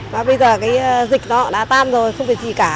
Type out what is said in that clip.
và bây giờ cái dịch nó đã tan rồi không phải gì cả